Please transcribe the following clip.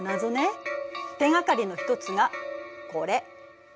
手がかりの一つがこれ。